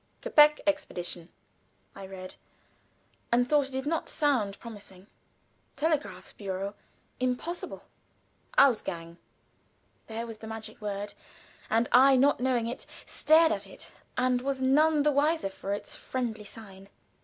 Gepäck Expedition, I read, and thought it did not sound promising. Telegraphs bureau. Impossible! Ausgang. There was the magic word, and I, not knowing it, stared at it and was none the wiser for its friendly sign.